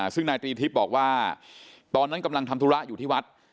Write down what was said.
ซึ่งนายตรีทิพย์บอกว่าตอนนั้นกำลังทำธุระอยู่ที่วัด